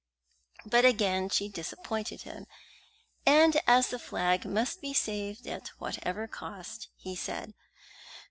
But again she disappointed him, and as the flag must be saved at whatever cost, he said.